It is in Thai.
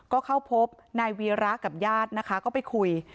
ก็เข้าพบนายวีระกับญาตินะคะก็ไปคุย